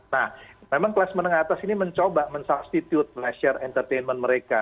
nah memang kelas menengah atas ini mencoba men substitute leasure entertainment mereka